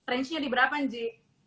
range nya di berapa nji